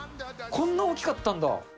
こんな大きかったんだ。